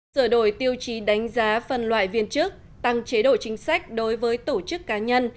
sửa đổi tiêu chí đánh giá phân loại viên chức tăng chế độ chính sách đối với tổ chức cá nhân